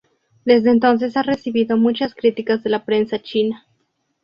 Desde entonces ha recibido muchas críticas de la prensa china.